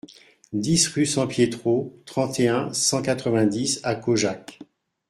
dix rue San Pietro, trente et un, cent quatre-vingt-dix à Caujac